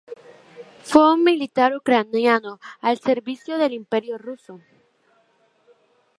Fue un militar ucraniano al servicio del Imperio ruso.